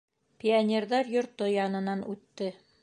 Пионерҙар йорто янынан үтте.